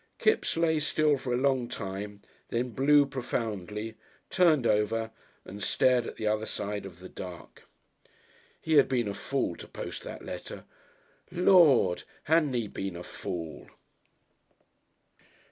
Kipps lay still for a long time, then blew profoundly, turned over and stared at the other side of the dark. He had been a fool to post that letter! Lord! Hadn't he been a fool!